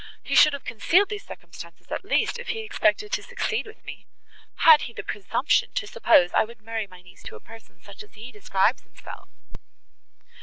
He should have concealed these circumstances, at least, if he expected to succeed with me. Had he the presumption to suppose I would marry my niece to a person such as he describes himself!"